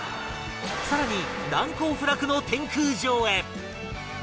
さらに難攻不落の天空城へ